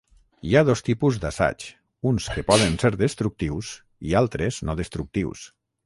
Hi ha dos tipus d'assaigs, uns que poden ser destructius i altres no destructius.